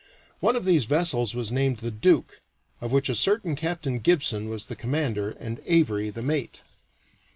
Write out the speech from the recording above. One of these vessels was named the Duke, of which a certain Captain Gibson was the commander and Avary the mate.